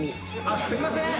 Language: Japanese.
あっすいません！